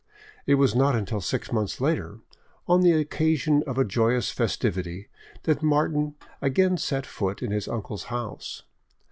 It was not until six months later, on the occasion of a joyous festivity, that Martin again set foot in his uncle's house.